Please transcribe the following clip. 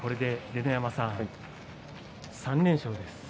秀ノ山さん、３連勝です。